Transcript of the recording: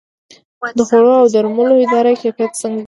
د خوړو او درملو اداره کیفیت څنګه ګوري؟